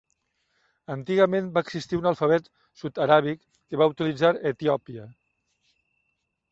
Antigament va existir un alfabet sud-aràbic, que va utilitzar Etiòpia.